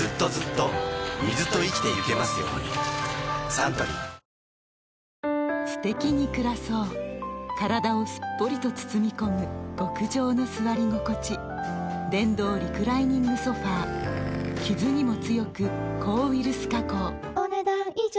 サントリーすてきに暮らそう体をすっぽりと包み込む極上の座り心地電動リクライニングソファ傷にも強く抗ウイルス加工お、ねだん以上。